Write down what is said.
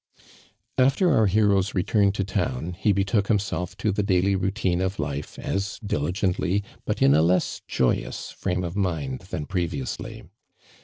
After our hero's return to town, he betook himself to the daily routine of life, as dili gently but in a less joyous frame of mind than previously.